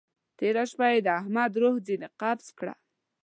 تېره شپه يې د احمد روح ځينې قبض کړه.